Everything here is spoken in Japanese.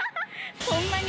そんなに？